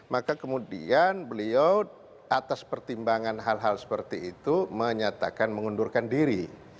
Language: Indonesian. maka kemudian beliau atas pertimbangan hal hal seperti itu menyatakan mengundurkan diri